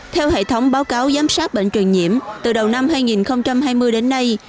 theo hệ thống báo cáo giám sát bệnh truyền nhiễm từ đầu năm hai nghìn hai mươi đến nay